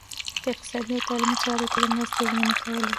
په اقتصادي او تعلیمي چارو کې د مرستو ژمنې کولې.